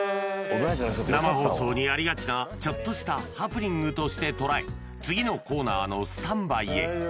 生放送にありがちなちょっとしたハプニングとして捉え次のコーナーのスタンバイへ！